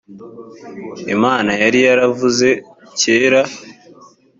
imana yari yaravuze cyera.